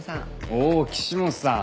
おお岸本さん。